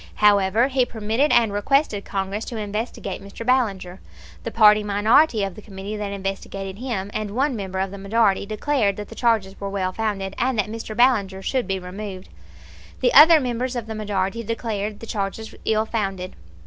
However, he permitted and requested Congress to investigate Mr. Ballinger. The party minority of the committee that investigated him, and one member of the majority, declared that the charges were well founded and that Mr. Ballinger should be removed. The other members of the majority declared the charges ill founded.